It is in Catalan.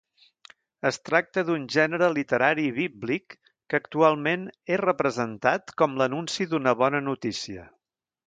Es tracta d'un gènere literari bíblic que actualment és representat com l'anunci d'una bona notícia.